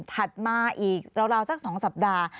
ถัดมาอีกราวสัก๒สัปดาห์